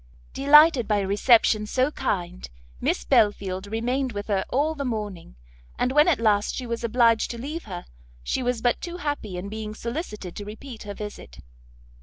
Delighted by a reception so kind, Miss Belfield remained with her all the morning; and when at last she was obliged to leave her, she was but too happy in being solicited to repeat her visit.